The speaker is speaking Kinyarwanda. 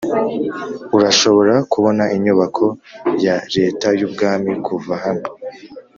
urashobora kubona inyubako ya leta y'ubwami kuva hano.